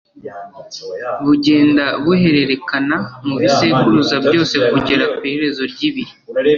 bugenda buhererekana mu bisekuruza byose kugera ku iherezo ry'ibihe.